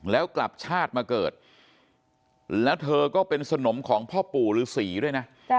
แล้วกลับชาติมาเกิดแล้วเธอก็เป็นสนมของพ่อปู่ฤษีด้วยนะ